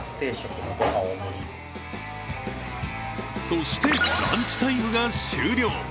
そして、ランチタイムが終了。